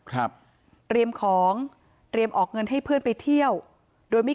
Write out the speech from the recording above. ครับเตรียมของเตรียมออกเงินให้เพื่อนไปเที่ยวโดยไม่